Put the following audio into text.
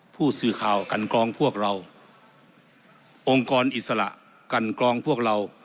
ผู้สื่อข่าวกันกรองพวกเราองค์กรอิสระกันกรองพวกเรา